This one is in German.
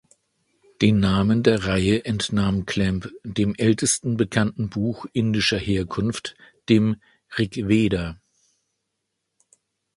Den Namen der Reihe entnahm Clamp dem ältesten bekannten Buch indischer Herkunft, dem "Rigveda".